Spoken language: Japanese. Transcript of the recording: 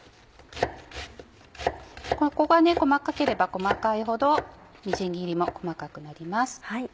ここが細かければ細かいほどみじん切りも細かくなります。